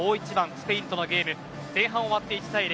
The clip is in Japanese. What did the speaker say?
スペインとのゲーム前半終わって１対０。